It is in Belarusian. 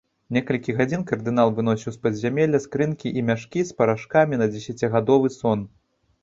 Некалькі гадзін кардынал выносіў з падзямелля скрынкі і мяшкі з парашкамі на дзесяцігадовы сон.